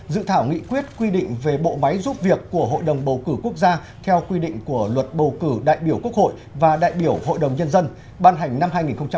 dự thảo nghị quyết quy định về bộ máy giúp việc của hội đồng bầu cử quốc gia theo quy định của luật bầu cử đại biểu quốc hội và đại biểu hội đồng nhân dân ban hành năm hai nghìn một mươi sáu